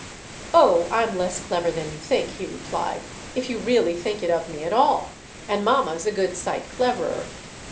"Oh, I'm less clever than you think," he replied—"if you really think it of me at all; and mamma's a good sight cleverer!"